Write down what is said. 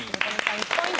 １ポイント